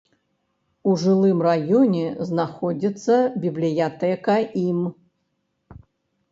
У жылым раёне знаходзіцца бібліятэка ім.